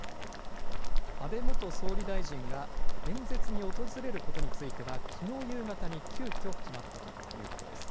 安倍元総理大臣が演説に訪れることについては、きのう夕方に急きょ、決まったということです。